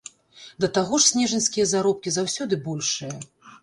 Да таго ж снежаньскія заробкі заўсёды большыя.